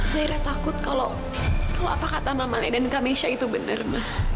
zaira takut kalau apa kata mama lai dan kamesha itu benar ma